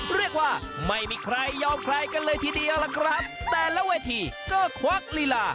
เรียกว่าไม่มีใครยอมใครกันเลยทีเดียวล่ะครับแต่ละเวทีก็ควักลีลา